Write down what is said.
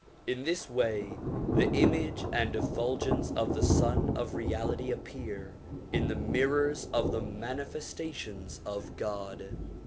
In this way the image and effulgence of the Sun of Reality appear in the mirrors of the manifestations of God.